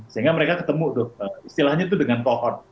sehingga mereka ketemu dong istilahnya tuh dengan cohort